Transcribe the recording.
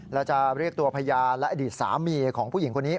แล้วจะเรียกตัวพยานและอดีตสามีของผู้หญิงคนนี้